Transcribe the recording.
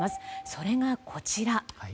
それがこちら。